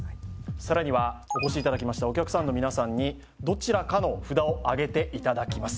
さらにはお越しいただきましたお客さんの皆さんにどちらかの札をあげていただきます